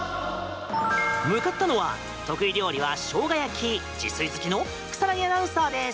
向かったのは得意料理はショウガ焼き自炊好きの草薙アナウンサーです。